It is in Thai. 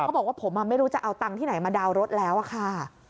บอกว่าผมไม่รู้จะเอาตังค์ที่ไหนมาดาวน์รถแล้วอะค่ะ